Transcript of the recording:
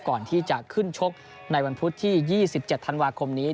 ก่อนที่จะขึ้นชกในวันพุธที่ยี่สิบเจ็ดธันวาคมนี้